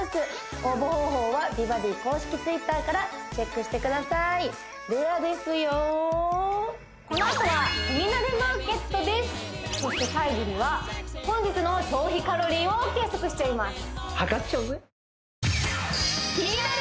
応募方法は「美バディ」公式Ｔｗｉｔｔｅｒからチェックしてくださいレアですよそして最後には本日の消費カロリーを計測しちゃいます